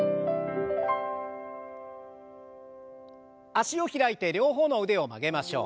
脚を開いて両方の腕を曲げましょう。